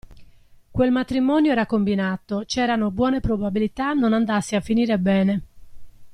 Quel matrimonio era combinato, c'erano buone probabilità non andasse a finire bene.